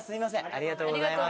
ありがとうございます。